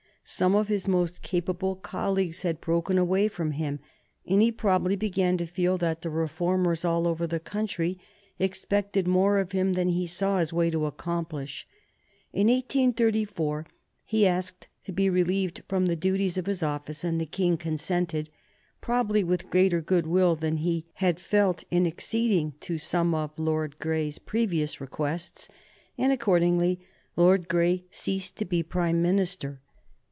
Some of his most capable colleagues had broken away from him, and he probably began to feel that the reformers all over the country expected more of him than he saw his way to accomplish. In 1834 he asked to be relieved from the duties of his office, and the King consented, probably with greater good will than he had felt in acceding to some of Lord Grey's previous requests, and accordingly Lord Grey ceased to be Prime Minister.